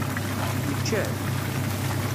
Yečča-t?